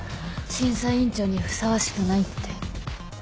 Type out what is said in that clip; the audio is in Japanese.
「審査委員長にふさわしくない」って。